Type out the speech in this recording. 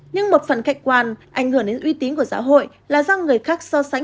nhưng một phần cạnh quan ảnh hưởng đến uy tín của giáo hội là do người khác so sánh